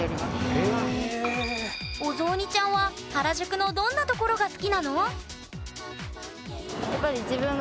お雑煮ちゃんは原宿のどんなところが好きなの？